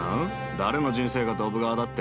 誰の人生がドブ川だって？